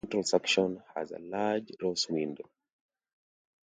The central section has a large rose window.